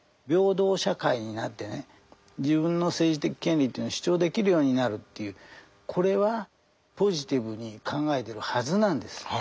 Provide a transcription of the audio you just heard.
平等社会になってね自分の政治的権利というのを主張できるようになるというこれはポジティブに考えてるはずなんです。